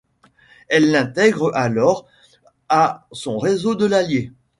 Elle l'intègre alors à son réseau de l'Allier.